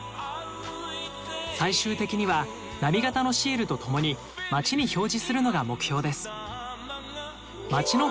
最終的には波形のシールと共に街に表示するのが目標です。